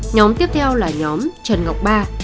nhóm tiếp theo là nhóm trần ngọc ba